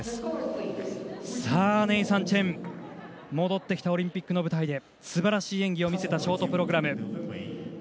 ネイサン・チェン戻ってきたオリンピックの舞台ですばらしい演技を見せたショートプログラム。